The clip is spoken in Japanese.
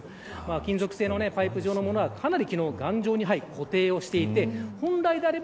金属製のパイプ状の物はかなり昨日、頑丈に固定していて本来であれば